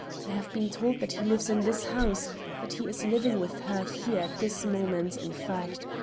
I have been told that he lives in this house that he is living with her here at this moment, in fact.